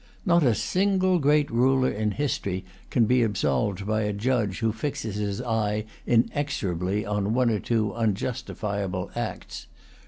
Not a single great ruler in history can be absolved by a judge who fixes his eye inexorably on one or two unjustifiable acts.